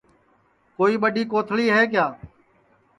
کوئی ٻڈؔی کوتھݪی ہے کیا